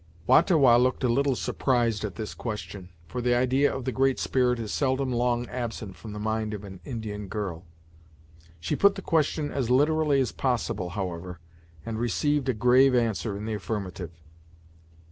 Wah ta Wah looked a little surprised at this question, for the idea of the Great Spirit is seldom long absent from the mind of an Indian girl. She put the question as literally as possible, however, and received a grave answer in the affirmative.